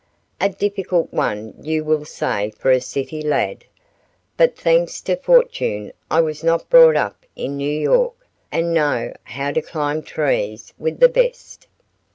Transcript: A difficult one you will say for a city lad, but thanks to fortune I was not brought up in New York, and know how to climb trees with the best.